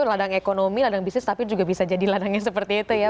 ladang ekonomi ladang bisnis tapi juga bisa jadi ladang yang seperti itu ya